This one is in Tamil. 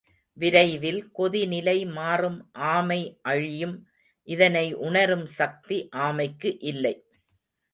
விரைவில் கொதி நிலை மாறும் ஆமை அழியும் இதனை உணரும்சக்தி ஆமைக்கு இல்லை.